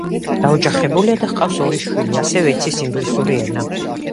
დაოჯახებულია და ჰყავს ორი შვილი, ასევე იცის ინგლისური ენა.